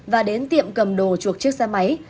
và đến tiệm cầm đồ chuộc chiếc xe máy